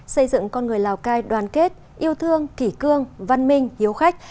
xây dựng con người lào cai đoàn kết yêu thương kỷ cương văn minh hiếu khách